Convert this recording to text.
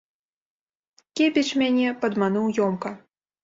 Кебіч мяне падмануў ёмка.